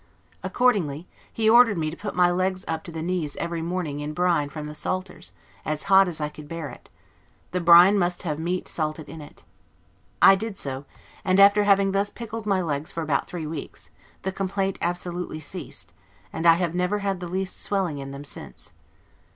Accordingly, he ordered me to put my legs up to the knees every morning in brine from the salters, as hot as I could bear it; the brine must have had meat salted in it. I did so; and after having thus pickled my legs for about three weeks, the complaint absolutely ceased, and I have never had the least swelling in them since.